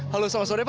halo selamat sore pak